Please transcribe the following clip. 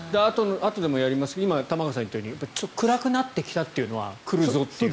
あとでやりますが今、玉川さんが言ったように暗くなってきたというのは来るぞという。